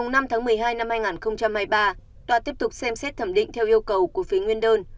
ngày năm tháng một mươi hai năm hai nghìn hai mươi ba tòa tiếp tục xem xét thẩm định theo yêu cầu của phía nguyên đơn